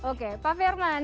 oke pak ferman